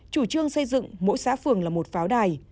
chủ trương xây dựng mỗi xã phường là một pháo đài